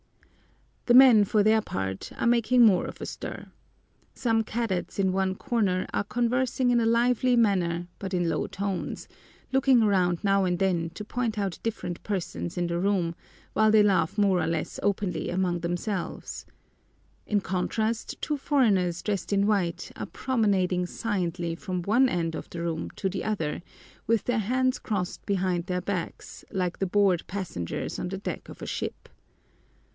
The men, for their part, are making more of a stir. Some cadets in one corner are conversing in a lively manner but in low tones, looking around now and then to point out different persons in the room while they laugh more or less openly among themselves. In contrast, two foreigners dressed in white are promenading silently from one end of the room to the other with their hands crossed behind their backs, like the bored passengers on the deck of a ship.